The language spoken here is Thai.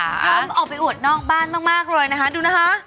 พร้อมออกไปอวดนอกบ้านมากเลยนะคะดูนะคะ